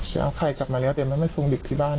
จะเอาไข่กลับมาแล้วแต่มันไม่ส่งเด็กที่บ้าน